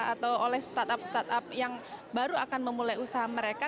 atau oleh startup startup yang baru akan memulai usaha mereka